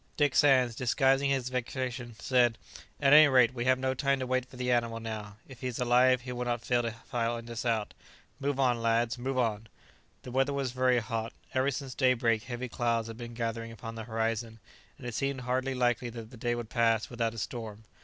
Dick Sands, disguising his vexation, said, "At any rate, we have no time to wait for the animal now: if he is alive, he will not fail to find us out. Move on, my lads! move on!" The weather was very hot; ever since daybreak heavy clouds had been gathering upon the horizon, and it seemed hardly likely that the day would pass without a storm.